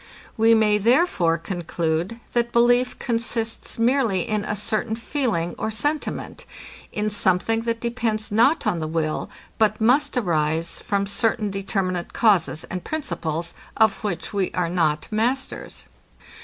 We may, therefore, conclude, that belief consists merely in a certain feeling or sentiment; in something, that depends not on the will, but must arise from certain determinate causes and principles, of which we are not masters.